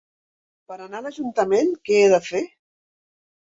Per anar a l'Ajuntament, què he de fer?